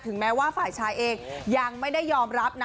แม้ว่าฝ่ายชายเองยังไม่ได้ยอมรับนะ